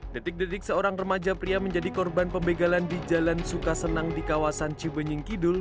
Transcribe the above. detik detik seorang remaja pria menjadi korban pembegalan di jalan sukasenang di kawasan cibenyingkidul